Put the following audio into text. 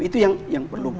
itu yang perlu